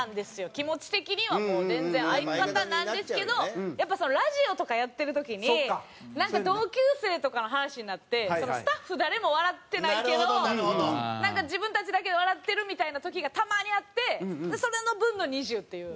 気持ち的にはもう全然相方なんですけどやっぱラジオとかやってる時に同級生とかの話になってスタッフ誰も笑ってないけど自分たちだけで笑ってるみたいな時がたまにあってそれの分の２０っていう。